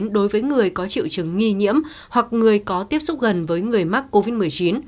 đối với người có triệu chứng nghi nhiễm hoặc người có tiếp xúc gần với người mắc covid một mươi chín